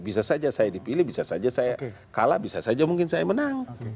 bisa saja saya dipilih bisa saja saya kalah bisa saja mungkin saya menang